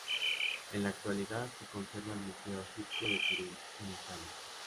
En la actualidad se conserva en el Museo Egipcio de Turín, en Italia.